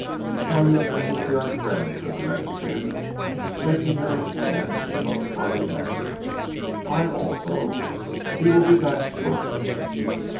"Ah, you have come to see our friend," said the Mexican, shaking Herrick's hand in the most hearty manner. "I also. He will be back shortly."